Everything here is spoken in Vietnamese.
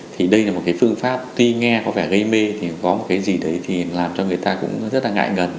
thì đây là một cái phương pháp tuy nghe có vẻ gây mê thì có một cái gì đấy thì làm cho người ta cũng rất là ngại ngần